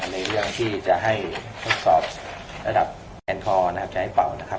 ในเรื่องที่จะให้ทดสอบระดับแอนคอนะครับจะให้เป่านะครับ